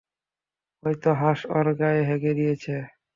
হয়তো হাঁস ওর গায়ে হেগে দিয়েছে।